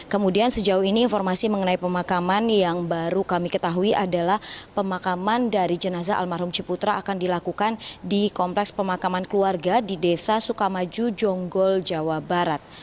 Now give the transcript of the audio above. kemudian sejauh ini informasi mengenai pemakaman yang baru kami ketahui adalah pemakaman dari jenazah almarhum ciputra akan dilakukan di kompleks pemakaman keluarga di desa sukamaju jonggol jawa barat